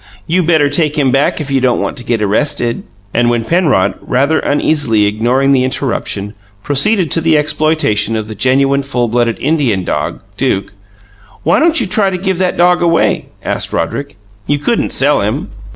"You better take him back if you don't want to get arrested." And when Penrod, rather uneasily ignoring the interruption, proceeded to the exploitation of the genuine, full blooded Indian dog, Duke, "Why don't you try to give that old dog away?" asked Roderick. "You couldn't sell him."